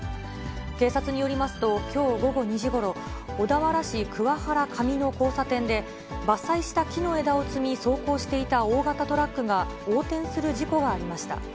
警察によりますと、きょう午後２時ごろ、小田原市桑原上の交差点で、伐採した木の枝を積み走行していた大型トラックが横転する事故がありました。